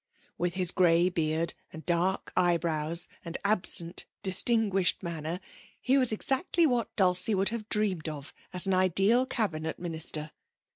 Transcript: With his grey beard and dark, eyebrows, and absent, distinguished manner, he was exactly what Dulcie would have dreamed of as an ideal Cabinet Minister.